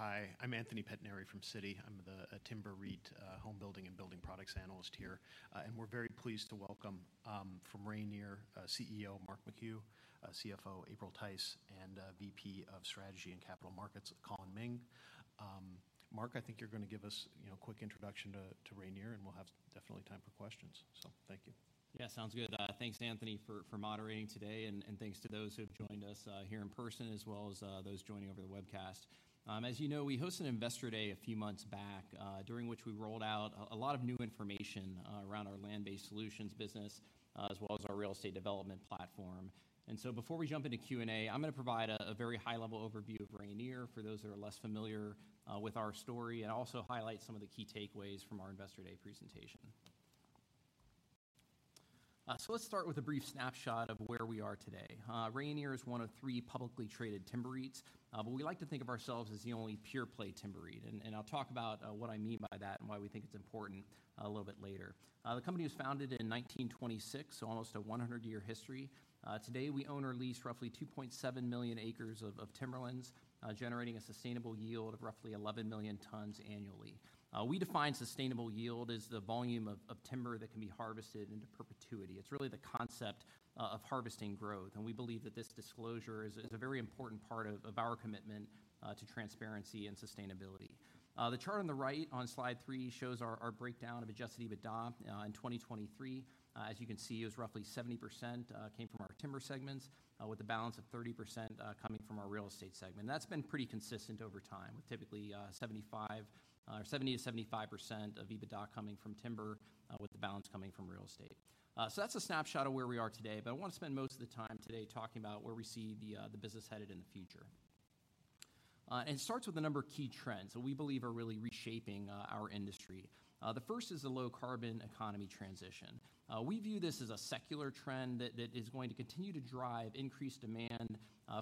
Hi, I'm Anthony Pettinari from Citi. I'm the timber REIT, home building and building products analyst here. And we're very pleased to welcome from Rayonier, CEO Mark McHugh, CFO April Tice, and VP of Strategy and Capital Markets, Collin Mings. Mark, I think you're gonna give us, you know, a quick introduction to Rayonier, and we'll have definitely time for questions. So thank you. Yeah, sounds good. Thanks, Anthony, for moderating today, and thanks to those who have joined us here in person, as well as those joining over the webcast. As you know, we hosted an Investor Day a few months back, during which we rolled out a lot of new information around our land-based solutions business, as well as our real estate development platform. So before we jump into Q&A, I'm gonna provide a very high-level overview of Rayonier for those that are less familiar with our story, and also highlight some of the key takeaways from our Investor Day presentation. So let's start with a brief snapshot of where we are today. Rayonier is one of three publicly traded timber REITs, but we like to think of ourselves as the only pure-play timber REIT, and I'll talk about what I mean by that and why we think it's important a little bit later. The company was founded in 1926, so almost a 100-year history. Today, we own or lease roughly 2.7 million acres of timberlands, generating a sustainable yield of roughly 11 million tons annually. We define sustainable yield as the volume of timber that can be harvested into perpetuity. It's really the concept of harvesting growth, and we believe that this disclosure is a very important part of our commitment to transparency and sustainability. The chart on the right on slide three shows our breakdown of Adjusted EBITDA in 2023. As you can see, it was roughly 70%, came from our timber segments, with the balance of 30%, coming from our real estate segment. That's been pretty consistent over time, with typically 70%-75% of EBITDA coming from timber, with the balance coming from real estate. So that's a snapshot of where we are today, but I wanna spend most of the time today talking about where we see the business headed in the future. And it starts with a number of key trends that we believe are really reshaping our industry. The first is the low-carbon economy transition. We view this as a secular trend that is going to continue to drive increased demand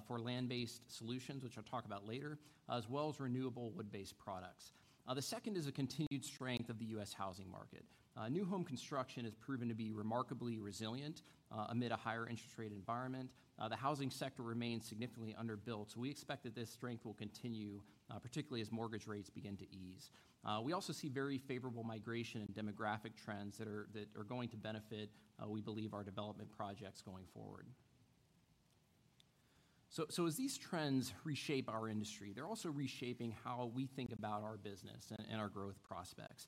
for land-based solutions, which I'll talk about later, as well as renewable wood-based products. The second is the continued strength of the U.S. housing market. New home construction has proven to be remarkably resilient amid a higher interest rate environment. The housing sector remains significantly underbuilt, so we expect that this strength will continue, particularly as mortgage rates begin to ease. We also see very favorable migration and demographic trends that are going to benefit, we believe, our development projects going forward. So as these trends reshape our industry, they're also reshaping how we think about our business and our growth prospects.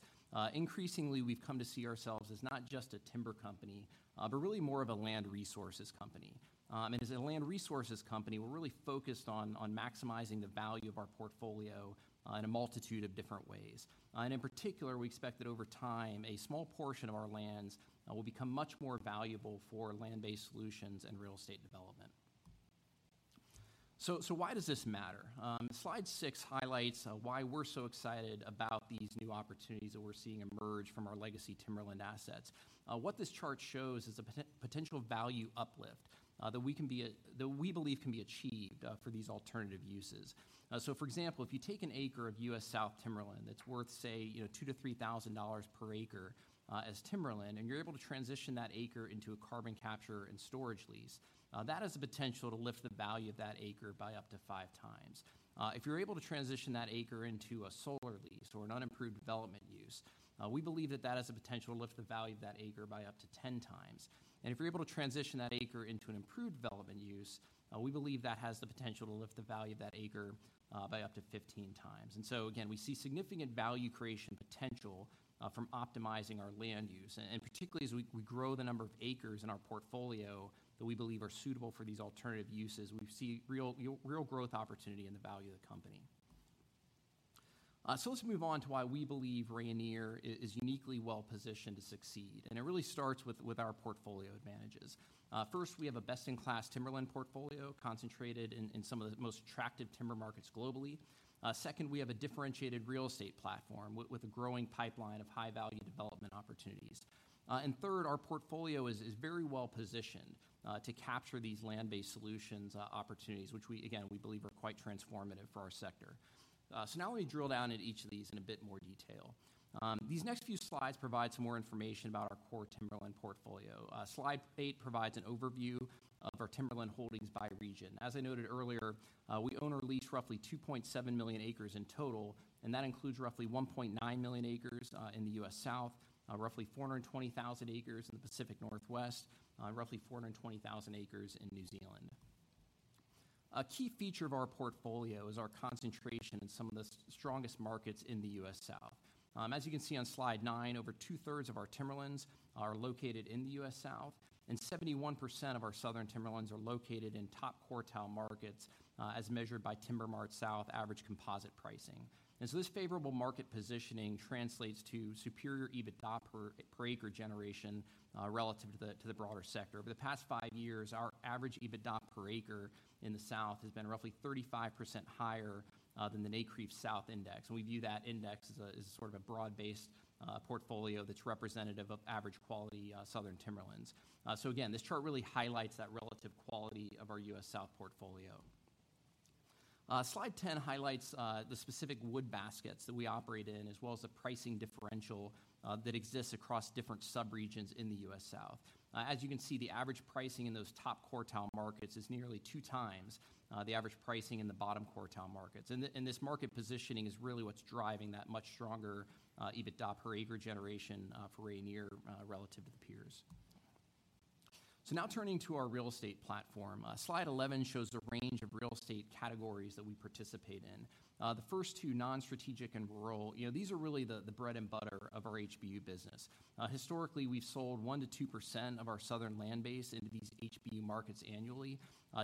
Increasingly, we've come to see ourselves as not just a timber company, but really more of a land resources company. And as a land resources company, we're really focused on maximizing the value of our portfolio in a multitude of different ways. And in particular, we expect that over time, a small portion of our lands will become much more valuable for land-based solutions and real estate development. So why does this matter? Slide six highlights why we're so excited about these new opportunities that we're seeing emerge from our legacy timberland assets. What this chart shows is the potential value uplift that we believe can be achieved for these alternative uses. So for example, if you take an acre of U.S. South timberland that's worth, say, you know, $2,000-$3,000 per acre as timberland, and you're able to transition that acre into a carbon capture and storage lease, that has the potential to lift the value of that acre by up to five times. If you're able to transition that acre into a solar lease or an unimproved development use, we believe that that has the potential to lift the value of that acre by up to 10 times. And if you're able to transition that acre into an improved development use, we believe that has the potential to lift the value of that acre by up to 15 times. And so again, we see significant value creation potential from optimizing our land use. Particularly as we grow the number of acres in our portfolio that we believe are suitable for these alternative uses, we see real growth opportunity in the value of the company. So let's move on to why we believe Rayonier is uniquely well-positioned to succeed, and it really starts with our portfolio advantages. First, we have a best-in-class timberland portfolio concentrated in some of the most attractive timber markets globally. Second, we have a differentiated real estate platform with a growing pipeline of high-value development opportunities. And third, our portfolio is very well-positioned to capture these land-based solutions opportunities, which we again believe are quite transformative for our sector. So now let me drill down into each of these in a bit more detail. These next few slides provide some more information about our core timberland portfolio. Slide eight provides an overview of our timberland holdings by region. As I noted earlier, we own or lease roughly 2.7 million acres in total, and that includes roughly 1.9 million acres in the U.S. South, roughly 420,000 acres in the Pacific Northwest, and roughly 420,000 acres in New Zealand. A key feature of our portfolio is our concentration in some of the strongest markets in the U.S. South. As you can see on Slide nine, over 2/3 of our timberlands are located in the U.S. South, and 71% of our southern timberlands are located in top quartile markets, as measured by TimberMart-South average composite pricing. And so this favorable market positioning translates to superior EBITDA per acre generation, relative to the broader sector. Over the past five years, our average EBITDA per acre in the South has been roughly 35% higher than the NCREIF South Index, and we view that index as a sort of broad-based portfolio that's representative of average quality southern timberlands. So again, this chart really highlights that relative quality of our U.S. South portfolio... Slide 10 highlights the specific wood baskets that we operate in, as well as the pricing differential that exists across different subregions in the U.S. South. As you can see, the average pricing in those top quartile markets is nearly two times the average pricing in the bottom quartile markets. And this market positioning is really what's driving that much stronger EBITDA per acre generation for Rayonier relative to the peers. So now turning to our real estate platform. Slide 11 shows the range of real estate categories that we participate in. The first two, non-strategic and rural, you know, these are really the bread and butter of our HBU business. Historically, we've sold 1%-2% of our southern land base into these HBU markets annually,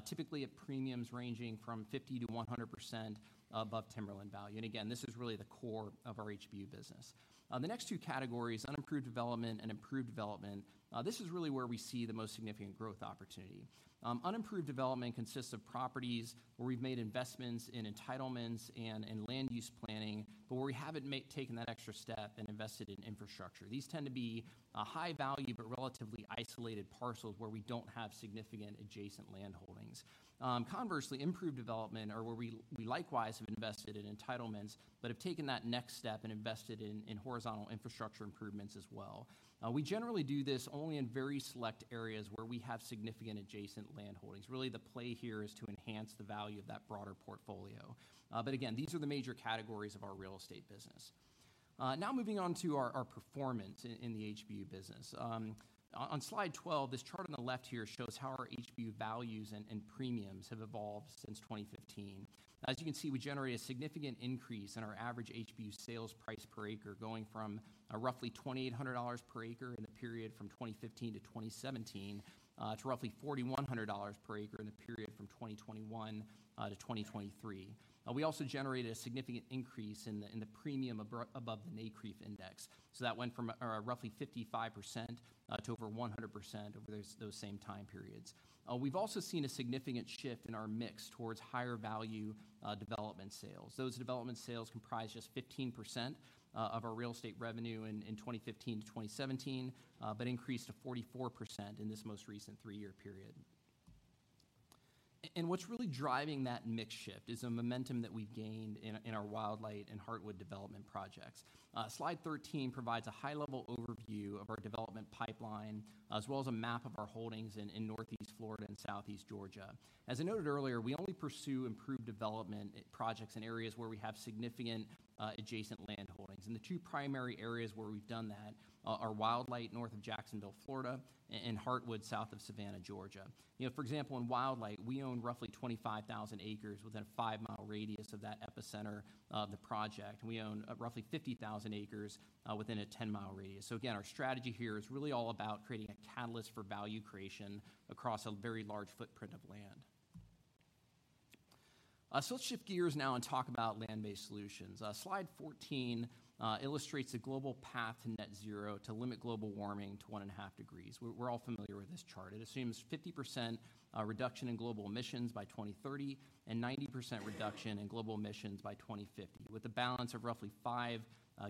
typically at premiums ranging from 50%-100% above timberland value. And again, this is really the core of our HBU business. The next two categories, unimproved development and improved development, this is really where we see the most significant growth opportunity. Unimproved development consists of properties where we've made investments in entitlements and in land use planning, but where we haven't taken that extra step and invested in infrastructure. These tend to be high value, but relatively isolated parcels where we don't have significant adjacent land holdings. Conversely, improved development are where we likewise have invested in entitlements but have taken that next step and invested in horizontal infrastructure improvements as well. We generally do this only in very select areas where we have significant adjacent land holdings. Really, the play here is to enhance the value of that broader portfolio. But again, these are the major categories of our real estate business. Now moving on to our performance in the HBU business. On slide 12, this chart on the left here shows how our HBU values and premiums have evolved since 2015. As you can see, we generate a significant increase in our average HBU sales price per acre, going from a roughly $2,800 per acre in the period from 2015 to 2017, to roughly $4,100 per acre in the period from 2021 to 2023. We also generated a significant increase in the premium above the NCREIF index. So that went from roughly 55%, to over 100% over those same time periods. We've also seen a significant shift in our mix towards higher value development sales. Those development sales comprised just 15% of our real estate revenue in 2015 to 2017, but increased to 44% in this most recent three-year period. And what's really driving that mix shift is the momentum that we've gained in our Wildlight and Heartwood development projects. Slide 13 provides a high-level overview of our development pipeline, as well as a map of our holdings in Northeast Florida and Southeast Georgia. As I noted earlier, we only pursue improved development projects in areas where we have significant adjacent land holdings. And the two primary areas where we've done that are Wildlight, north of Jacksonville, Florida, and Heartwood, south of Savannah, Georgia. You know, for example, in Wildlight, we own roughly 25,000 acres within a 5 mi radius of that epicenter of the project, and we own roughly 50,000 acres within a 10 mi radius. So again, our strategy here is really all about creating a catalyst for value creation across a very large footprint of land. So let's shift gears now and talk about land-based solutions. Slide 14 illustrates the global path to net zero to limit global warming to 1.5 degrees. We're all familiar with this chart. It assumes 50% reduction in global emissions by 2030 and 90% reduction in global emissions by 2050, with a balance of roughly five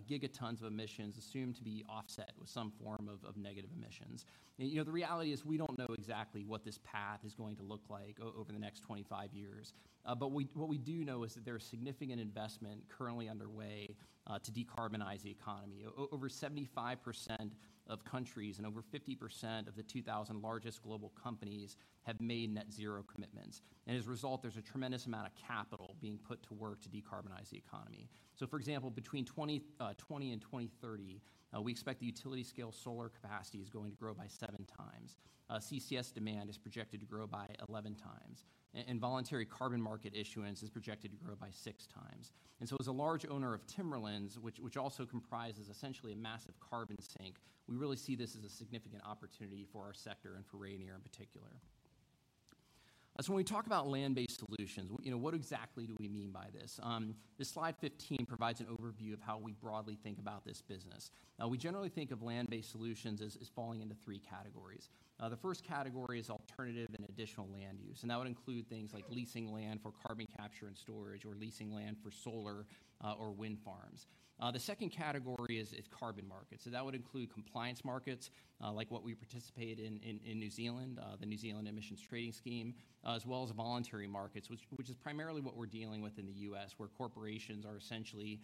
gigatons of emissions assumed to be offset with some form of negative emissions. You know, the reality is, we don't know exactly what this path is going to look like over the next 25 years. But what we do know is that there are significant investment currently underway to decarbonize the economy. Over 75% of countries and over 50% of the 2,000 largest global companies have made net zero commitments, and as a result, there's a tremendous amount of capital being put to work to decarbonize the economy. So, for example, between 2020 and 2030, we expect the utility scale solar capacity is going to grow by seven times. CCS demand is projected to grow by 11 times, and voluntary carbon market issuance is projected to grow by six times. And so as a large owner of timberlands, which also comprises essentially a massive carbon sink, we really see this as a significant opportunity for our sector and for Rayonier in particular. So when we talk about land-based solutions, you know, what exactly do we mean by this? This slide 15 provides an overview of how we broadly think about this business. We generally think of land-based solutions as falling into three categories. The first category is alternative and additional land use, and that would include things like leasing land for carbon capture and storage, or leasing land for solar, or wind farms. The second category is carbon markets, so that would include compliance markets, like what we participate in in New Zealand, the New Zealand Emissions Trading Scheme, as well as voluntary markets, which is primarily what we're dealing with in the U.S., where corporations are essentially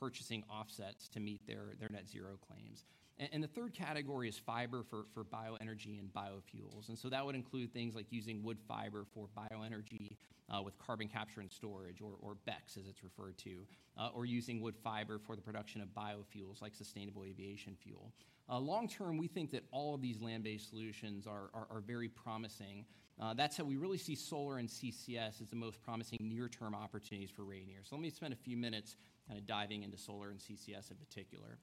purchasing offsets to meet their net-zero claims. The third category is fiber for bioenergy and biofuels, and so that would include things like using wood fiber for bioenergy with carbon capture and storage, or BECCS, as it's referred to, or using wood fiber for the production of biofuels like sustainable aviation fuel. Long-term, we think that all of these land-based solutions are very promising. That said, we really see solar and CCS as the most promising near-term opportunities for Rayonier. So let me spend a few minutes kind of diving into solar and CCS in particular.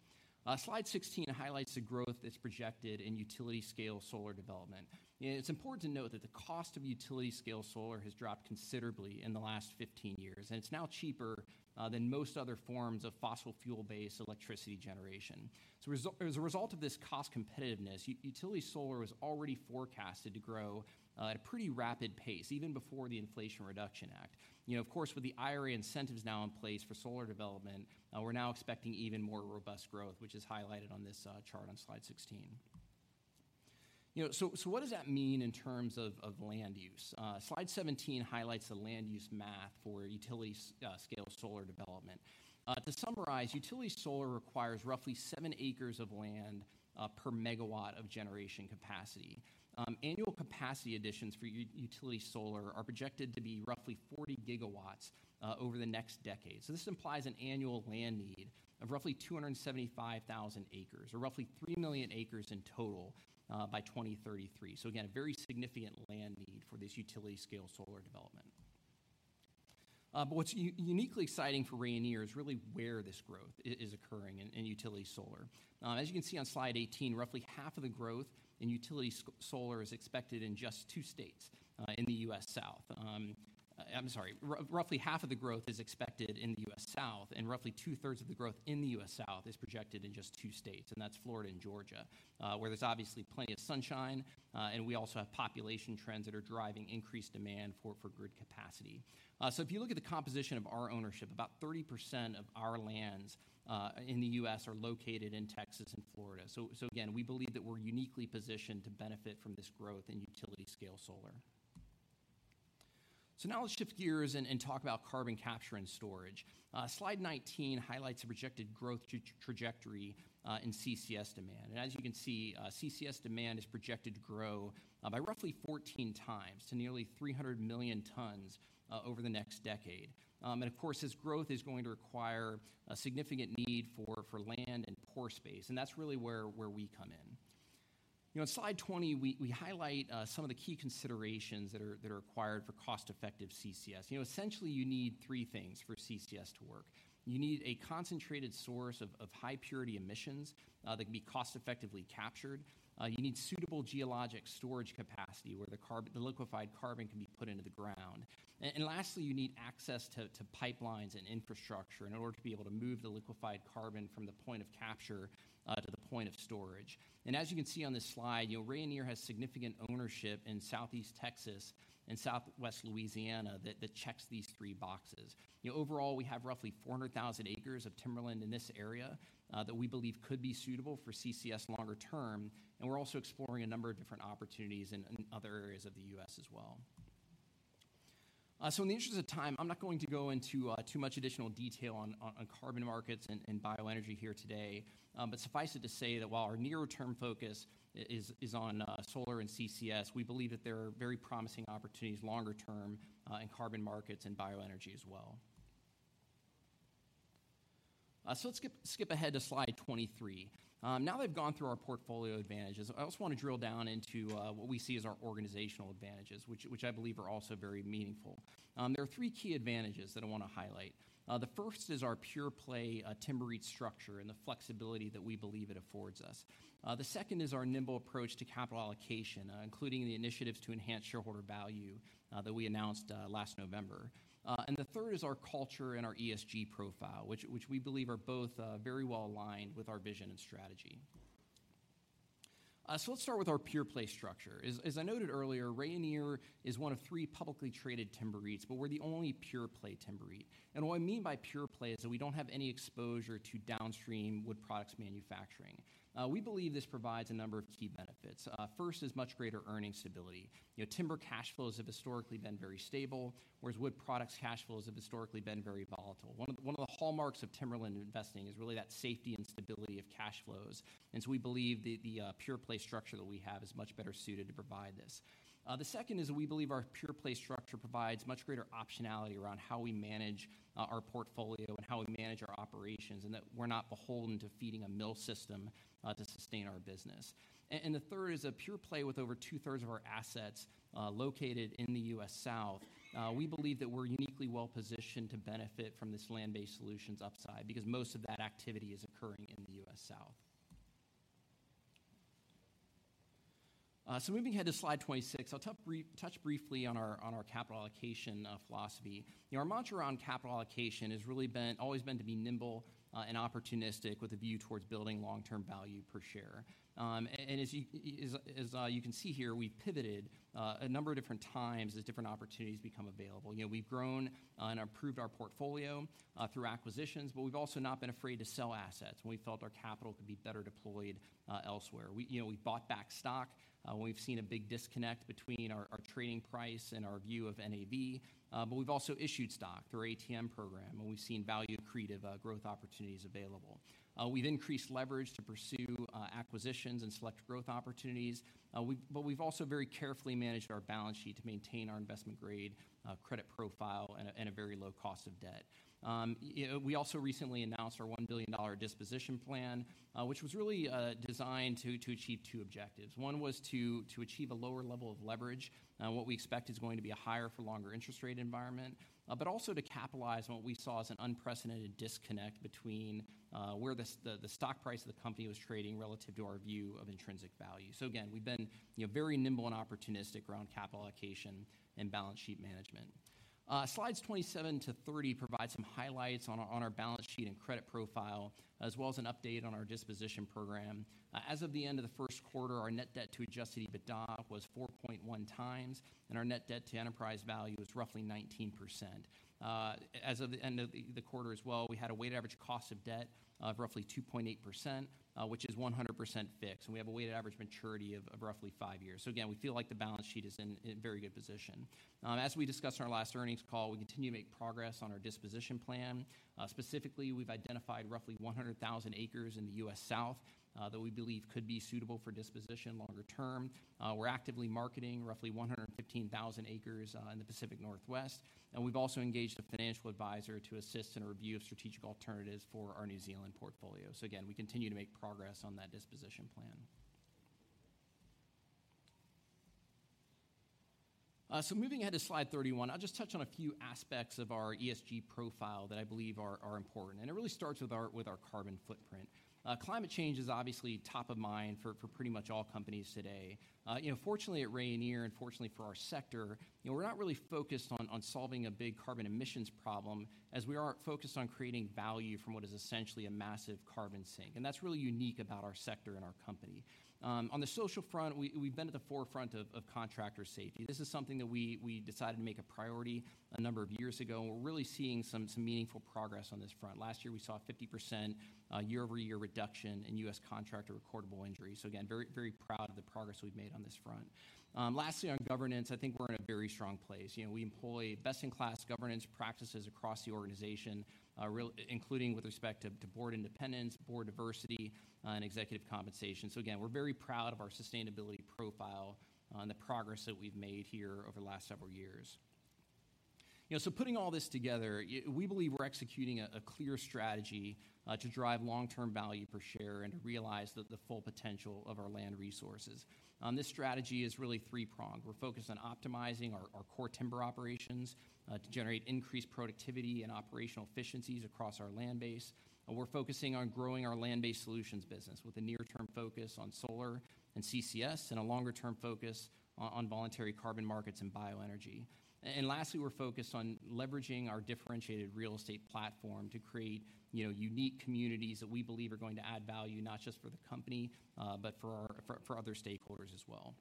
Slide 16 highlights the growth that's projected in utility scale solar development. It's important to note that the cost of utility scale solar has dropped considerably in the last 15 years, and it's now cheaper than most other forms of fossil fuel-based electricity generation. As a result of this cost competitiveness, utility solar was already forecasted to grow at a pretty rapid pace, even before the Inflation Reduction Act. You know, of course, with the IRA incentives now in place for solar development, we're now expecting even more robust growth, which is highlighted on this chart on slide 16. You know, so what does that mean in terms of land use? Slide 17 highlights the land use math for utility scale solar development. To summarize, utility solar requires roughly seven acres of land per MW of generation capacity. Annual capacity additions for utility solar are projected to be roughly 40 GW over the next decade. So this implies an annual land need of roughly 275,000 acres, or roughly 3 million acres in total by 2033. So again, a very significant land need for this utility scale solar development. But what's uniquely exciting for Rayonier is really where this growth is occurring in utility solar. As you can see on slide 18, roughly half of the growth in utility solar is expected in just two states in the U.S. South. I'm sorry. Roughly half of the growth is expected in the U.S. South, and roughly 2/3 of the growth in the U.S. South is projected in just two states, and that's Florida and Georgia, where there's obviously plenty of sunshine, and we also have population trends that are driving increased demand for grid capacity. So if you look at the composition of our ownership, about 30% of our lands in the U.S. are located in Texas and Florida. So again, we believe that we're uniquely positioned to benefit from this growth in utility scale solar. So now let's shift gears and talk about carbon capture and storage. Slide 19 highlights the projected growth trajectory in CCS demand. And as you can see, CCS demand is projected to grow by roughly 14 times to nearly 300 million tons over the next decade. Of course, this growth is going to require a significant need for land and pore space, and that's really where we come in. You know, in slide 20, we highlight some of the key considerations that are required for cost-effective CCS. You know, essentially, you need three things for CCS to work. You need a concentrated source of high purity emissions that can be cost-effectively captured. You need suitable geologic storage capacity, where the carbon, the liquefied carbon can be put into the ground. And lastly, you need access to pipelines and infrastructure in order to be able to move the liquefied carbon from the point of capture to the point of storage. And as you can see on this slide, you know, Rayonier has significant ownership in Southeast Texas and Southwest Louisiana that checks these three boxes. You know, overall, we have roughly 400,000 acres of timberland in this area that we believe could be suitable for CCS longer term, and we're also exploring a number of different opportunities in other areas of the U.S. as well. So in the interest of time, I'm not going to go into too much additional detail on carbon markets and bioenergy here today. But suffice it to say that while our near-term focus is on solar and CCS, we believe that there are very promising opportunities longer term in carbon markets and bioenergy as well. So let's skip ahead to slide 23. Now that I've gone through our portfolio advantages, I also want to drill down into what we see as our organizational advantages, which I believe are also very meaningful. There are three key advantages that I want to highlight. The first is our pure-play timber REIT structure and the flexibility that we believe it affords us. The second is our nimble approach to capital allocation including the initiatives to enhance shareholder value that we announced last November. And the third is our culture and our ESG profile, which we believe are both very well aligned with our vision and strategy. So let's start with our pure-play structure. As I noted earlier, Rayonier is one of three publicly traded timber REITs, but we're the only pure-play timber REIT. And what I mean by pure-play is that we don't have any exposure to downstream wood products manufacturing. We believe this provides a number of key benefits. First is much greater earning stability. You know, timber cash flows have historically been very stable, whereas wood products cash flows have historically been very volatile. One of the hallmarks of timberland investing is really that safety and stability of cash flows, and so we believe the pure-play structure that we have is much better suited to provide this. The second is that we believe our pure-play structure provides much greater optionality around how we manage our portfolio and how we manage our operations, and that we're not beholden to feeding a mill system to sustain our business. And the third is a pure-play with over 2/3 of our assets located in the U.S. South. We believe that we're uniquely well-positioned to benefit from this land-based solutions upside because most of that activity is occurring in the U.S. South. So moving ahead to slide 26, I'll touch briefly on our capital allocation philosophy. You know, our mantra on capital allocation has always been to be nimble and opportunistic with a view towards building long-term value per share. And as you can see here, we've pivoted a number of different times as different opportunities become available. You know, we've grown and improved our portfolio through acquisitions, but we've also not been afraid to sell assets when we felt our capital could be better deployed elsewhere. You know, we've bought back stock when we've seen a big disconnect between our trading price and our view of NAV, but we've also issued stock through our ATM program when we've seen value accretive growth opportunities available. We've increased leverage to pursue acquisitions and select growth opportunities. But we've also very carefully managed our balance sheet to maintain our investment-grade credit profile and a very low cost of debt. You know, we also recently announced our $1 billion disposition plan, which was really designed to achieve two objectives. One was to achieve a lower level of leverage, what we expect is going to be a higher for longer interest rate environment, but also to capitalize on what we saw as an unprecedented disconnect between where the stock price of the company was trading relative to our view of intrinsic value. So again, we've been, you know, very nimble and opportunistic around capital allocation and balance sheet management. Slides 27-30 provide some highlights on our balance sheet and credit profile, as well as an update on our disposition program. As of the end of the first quarter, our net debt to Adjusted EBITDA was 4.1 times, and our net debt to enterprise value was roughly 19%. As of the end of the quarter as well, we had a weighted average cost of debt of roughly 2.8%, which is 100% fixed, and we have a weighted average maturity of roughly five years. So again, we feel like the balance sheet is in very good position. As we discussed in our last earnings call, we continue to make progress on our disposition plan. Specifically, we've identified roughly 100,000 acres in the U.S. South, that we believe could be suitable for disposition longer term. We're actively marketing roughly 115,000 acres in the Pacific Northwest, and we've also engaged a financial advisor to assist in a review of strategic alternatives for our New Zealand portfolio. So again, we continue to make progress on that disposition plan. So moving ahead to slide 31, I'll just touch on a few aspects of our ESG profile that I believe are important, and it really starts with our carbon footprint. Climate change is obviously top of mind for pretty much all companies today. You know, fortunately, at Rayonier, and fortunately for our sector, you know, we're not really focused on solving a big carbon emissions problem, as we are focused on creating value from what is essentially a massive carbon sink, and that's really unique about our sector and our company. On the social front, we've been at the forefront of contractor safety. This is something that we decided to make a priority a number of years ago, and we're really seeing some meaningful progress on this front. Last year, we saw a 50% year-over-year reduction in U.S. contractor recordable injuries. So again, very, very proud of the progress we've made on this front. Lastly, on governance, I think we're in a very strong place. You know, we employ best-in-class governance practices across the organization, including with respect to board independence, board diversity, and executive compensation. So again, we're very proud of our sustainability profile and the progress that we've made here over the last several years. You know, so putting all this together, we believe we're executing a clear strategy to drive long-term value per share and to realize the full potential of our land resources. This strategy is really three-pronged. We're focused on optimizing our core timber operations to generate increased productivity and operational efficiencies across our land base. We're focusing on growing our land-based solutions business, with a near-term focus on solar and CCS, and a longer-term focus on voluntary carbon markets and bioenergy. And lastly, we're focused on leveraging our differentiated real estate platform to create, you know, unique communities that we believe are going to add value, not just for the company, but for our other stakeholders as well.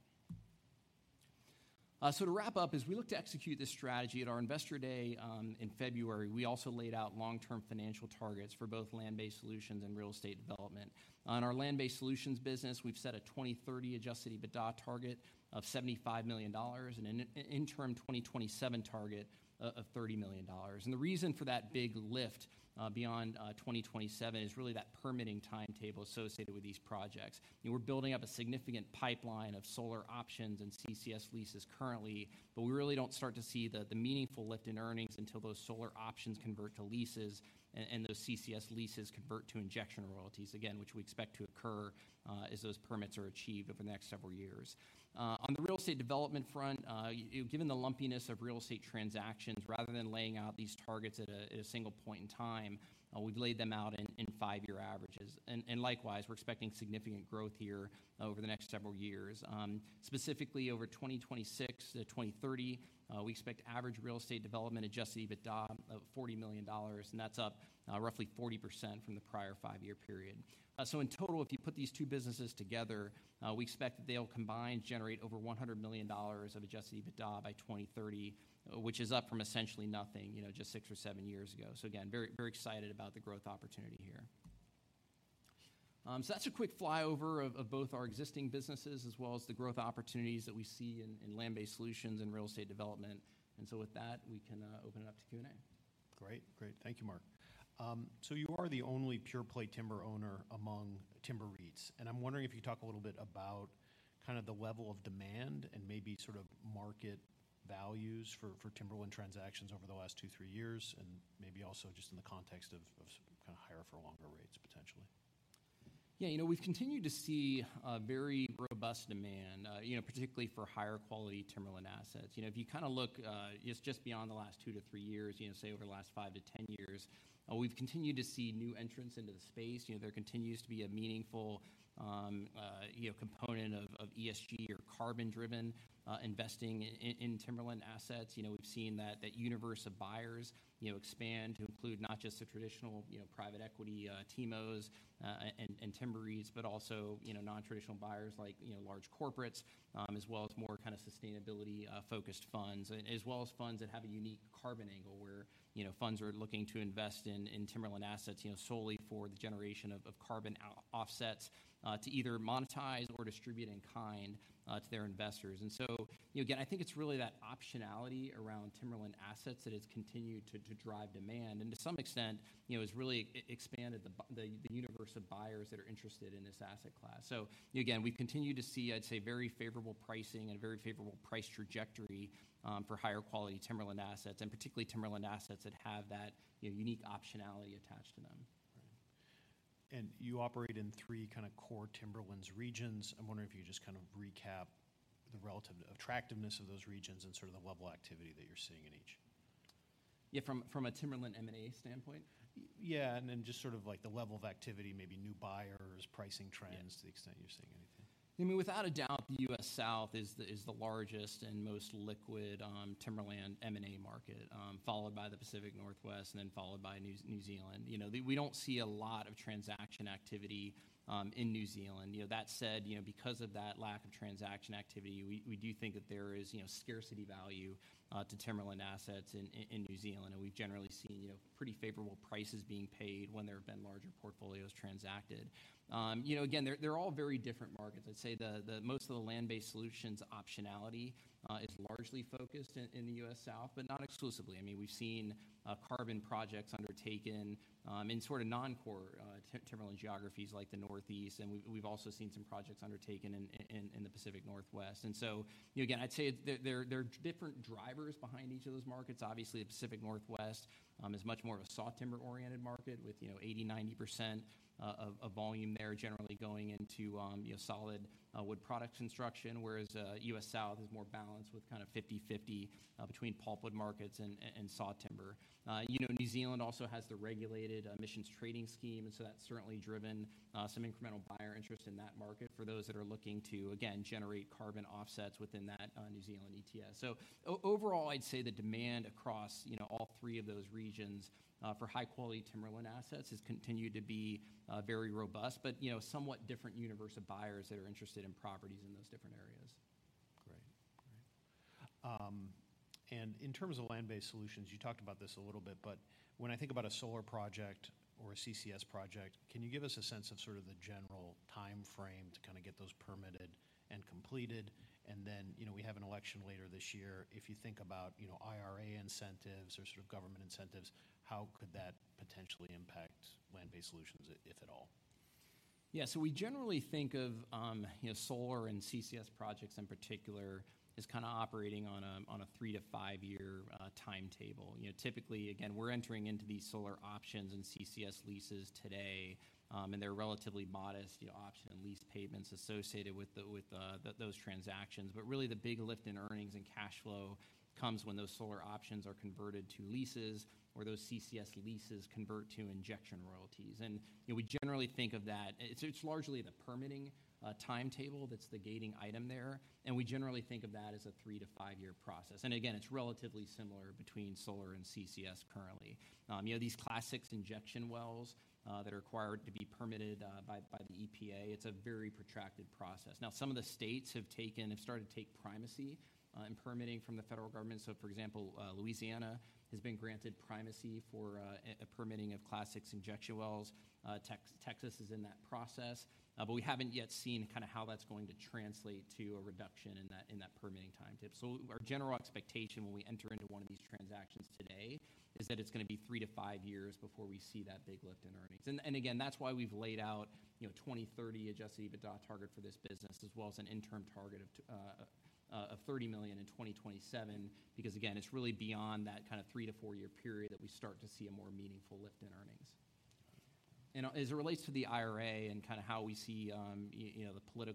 So to wrap up, as we look to execute this strategy, at our Investor Day, in February, we also laid out long-term financial targets for both land-based solutions and real estate development. On our land-based solutions business, we've set a 2030 Adjusted EBITDA target of $75 million and an interim 2027 target of $30 million. And the reason for that big lift, beyond 2027, is really that permitting timetable associated with these projects. You know, we're building up a significant pipeline of solar options and CCS leases currently, but we really don't start to see the meaningful lift in earnings until those solar options convert to leases and those CCS leases convert to injection royalties, again, which we expect to occur, as those permits are achieved over the next several years. On the real estate development front, given the lumpiness of real estate transactions, rather than laying out these targets at a single point in time, we've laid them out in five-year averages. Likewise, we're expecting significant growth here over the next several years. Specifically over 2026 to 2030, we expect average real estate development Adjusted EBITDA of $40 million, and that's up roughly 40% from the prior five-year period. So in total, if you put these two businesses together, we expect that they'll combined generate over $100 million of Adjusted EBITDA by 2030, which is up from essentially nothing, you know, just six or seven years ago. Again, very, very excited about the growth opportunity here. So that's a quick flyover of both our existing businesses, as well as the growth opportunities that we see in land-based solutions and real estate development. And so with that, we can open it up to Q&A. Great. Great. Thank you, Mark. So you are the only pure-play timber owner among timber REITs, and I'm wondering if you'd talk a little bit about kind of the level of demand and maybe sort of market values for timberland transactions over the last two to three years, and maybe also just in the context of kind of higher for longer rates, potentially. Yeah, you know, we've continued to see a very robust demand, you know, particularly for higher-quality timberland assets. You know, if you kind of look, just beyond the last two to three years, you know, say, over the last five to 10 years, we've continued to see new entrants into the space. You know, there continues to be a meaningful, you know, component of, of ESG or carbon-driven, investing in, in timberland assets. You know, we've seen that, that universe of buyers, you know, expand to include not just the traditional, you know, private equity, TIMOs, and, and timber REITs, but also, you know, non-traditional buyers like, you know, large corporates, as well as more kind of sustainability, focused funds. As well as funds that have a unique carbon angle, where, you know, funds are looking to invest in timberland assets, you know, solely for the generation of carbon offsets to either monetize or distribute in kind to their investors. And so, you know, again, I think it's really that optionality around timberland assets that has continued to drive demand, and to some extent, you know, has really expanded the universe of buyers that are interested in this asset class. So again, we've continued to see, I'd say, very favorable pricing and very favorable price trajectory for higher-quality timberland assets, and particularly timberland assets that have that, you know, unique optionality attached to them. You operate in three kind of core timberlands regions. I'm wondering if you could just kind of recap the relative attractiveness of those regions and sort of the level of activity that you're seeing in each. Yeah, from a timberland M&A standpoint? Yeah, and then just sort of like the level of activity, maybe new buyers, pricing trends- Yeah... to the extent you're seeing anything. I mean, without a doubt, the U.S. South is the largest and most liquid timberland M&A market, followed by the Pacific Northwest, and then followed by New Zealand. You know, we don't see a lot of transaction activity in New Zealand. You know, that said, you know, because of that lack of transaction activity, we do think that there is scarcity value to timberland assets in New Zealand, and we've generally seen pretty favorable prices being paid when there have been larger portfolios transacted. You know, again, they're all very different markets. I'd say the most of the land-based solutions optionality is largely focused in the U.S. South, but not exclusively. I mean, we've seen carbon projects undertaken-... In sort of non-core timberland geographies like the Northeast, and we've also seen some projects undertaken in the Pacific Northwest. So, you know, again, I'd say there are different drivers behind each of those markets. Obviously, the Pacific Northwest is much more of a sawtimber-oriented market with, you know, 80%-90% of volume there generally going into, you know, solid wood products construction, whereas U.S. South is more balanced with kind of 50/50 between pulpwood markets and sawtimber. You know, New Zealand also has the regulated Emissions Trading Scheme, and so that's certainly driven some incremental buyer interest in that market for those that are looking to, again, generate carbon offsets within that New Zealand ETS. Overall, I'd say the demand across, you know, all three of those regions, for high-quality timberland assets has continued to be, very robust, but, you know, somewhat different universe of buyers that are interested in properties in those different areas. Great. Great. And in terms of land-based solutions, you talked about this a little bit, but when I think about a solar project or a CCS project, can you give us a sense of sort of the general timeframe to kind of get those permitted and completed? And then, you know, we have an election later this year. If you think about, you know, IRA incentives or sort of government incentives, how could that potentially impact land-based solutions, if at all? Yeah. So we generally think of, you know, solar and CCS projects in particular, as kind of operating on a, on a three- to five-year timetable. You know, typically, again, we're entering into these solar options and CCS leases today, and they're relatively modest, you know, option and lease payments associated with the—with those transactions. But really, the big lift in earnings and cash flow comes when those solar options are converted to leases or those CCS leases convert to injection royalties. And, you know, we generally think of that. It's, it's largely the permitting timetable that's the gating item there, and we generally think of that as a three- to five-year process. And again, it's relatively similar between solar and CCS currently. You know, these Class VI injection wells that are required to be permitted by, by the EPA, it's a very protracted process. Now, some of the states have started to take primacy in permitting from the federal government. So, for example, Louisiana has been granted primacy for a permitting of Class VI injection wells. Texas is in that process, but we haven't yet seen kind of how that's going to translate to a reduction in that, in that permitting timetable. So our general expectation when we enter into one of these transactions today is that it's gonna be three to five years before we see that big lift in earnings. Again, that's why we've laid out, you know, 2030 adjusted EBITDA target for this business, as well as an interim target of $30 million in 2027. Because again, it's really beyond that kind of 3- to 4-year period that we start to see a more meaningful lift in earnings. And as it relates to the IRA and kind of how we see, you know, the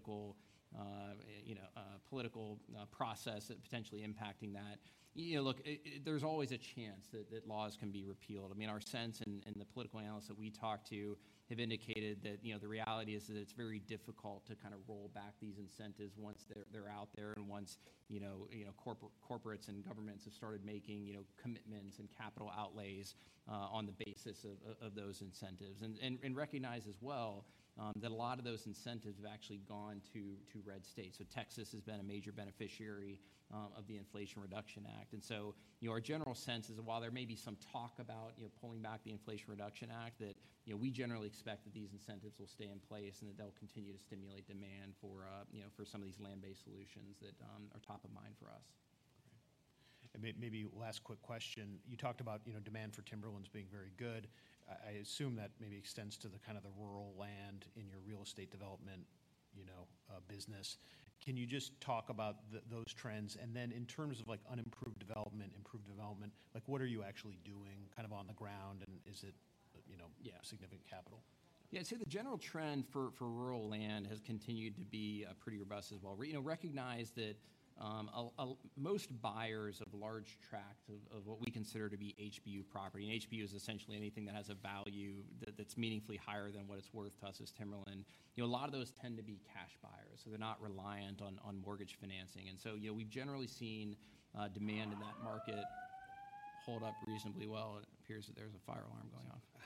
political process potentially impacting that, you know, there's always a chance that laws can be repealed. I mean, our sense and the political analysts that we talk to have indicated that, you know, the reality is that it's very difficult to kind of roll back these incentives once they're out there and once, you know, corporates and governments have started making, you know, commitments and capital outlays on the basis of those incentives. And recognize as well that a lot of those incentives have actually gone to red states. So Texas has been a major beneficiary of the Inflation Reduction Act. And so, you know, our general sense is that while there may be some talk about, you know, pulling back the Inflation Reduction Act, that, you know, we generally expect that these incentives will stay in place and that they'll continue to stimulate demand for, you know, for some of these land-based solutions that are top of mind for us. Great. Maybe last quick question. You talked about, you know, demand for timberlands being very good. I assume that maybe extends to the kind of the rural land in your real estate development, you know, business. Can you just talk about those trends? And then in terms of, like, unimproved development, improved development, like, what are you actually doing kind of on the ground, and is it, you know, yeah, significant capital? Yeah, I'd say the general trend for rural land has continued to be pretty robust as well. You know, recognize that most buyers of large tracts of what we consider to be HBU property, and HBU is essentially anything that has a value that's meaningfully higher than what it's worth to us as timberland. You know, a lot of those tend to be cash buyers, so they're not reliant on mortgage financing. And so, you know, we've generally seen demand in that market hold up reasonably well. It appears that there's a fire alarm going off.